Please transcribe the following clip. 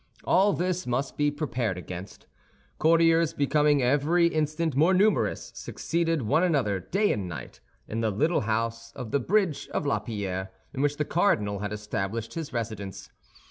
All this must be prepared against. Courtiers, becoming every instant more numerous, succeeded one another, day and night, in the little house of the bridge of La Pierre, in which the cardinal had established his residence.